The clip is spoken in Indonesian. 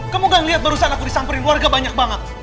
kamu gak ngeliat barusan aku disamperin warga banyak banget